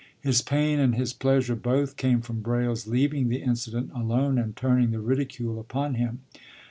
His pain and his pleasure both came from Braile's leaving the incident alone and turning the ridicule upon him.